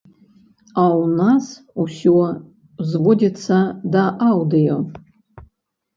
А ў нас усё зводзіцца да аўдыё.